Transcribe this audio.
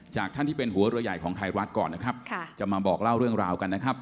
จากท่านที่เป็นหัวเรือใหญ่ของไทยรัฐก่อนนะครับจะมาบอกเล่าเรื่องราวกันนะครับ